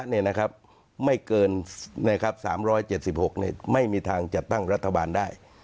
ในครับ๓๗๖ไม่มีทางจัดตั้งรัฐบาลได้